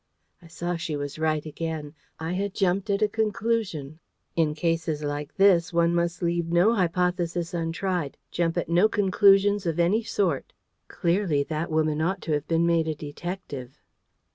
I saw she was right again. I had jumped at a conclusion. In cases like this, one must leave no hypothesis untried, jump at no conclusions of any sort. Clearly, that woman ought to have been made a detective.